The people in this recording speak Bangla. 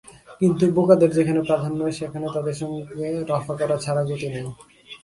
কিন্তু বোকাদের যেখানে প্রধান্য সেখানে তাদের সঙ্গে রফা করা ছাড়া গতি নেই।